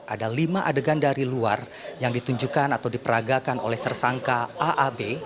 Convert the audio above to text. ada lima adegan dari luar yang ditunjukkan atau diperagakan oleh tersangka aab